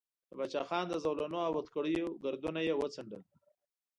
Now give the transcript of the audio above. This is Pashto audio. د باچا خان د زولنو او هتکړیو ګردونه یې وڅنډل.